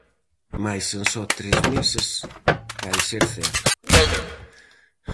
Mais en só tres meses, vai ser cero.